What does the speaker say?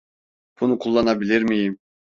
Bunu kullanabilir miyim?